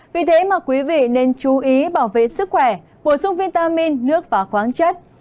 vì thế mà quý vị nên chú ý bảo vệ sức khỏe bổ sung vitamin nước và khoáng chất